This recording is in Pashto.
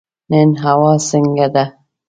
نن هوا څنګه ده؟